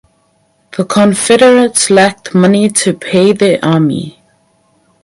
The Confederates lacked money to pay their army.